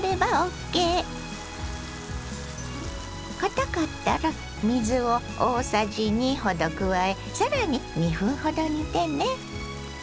かたかったら水を大さじ２ほど加え更に２分ほど煮てね。